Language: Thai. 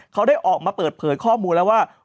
เขาได้ออกมาเปิดผ่นข้อมูลว่า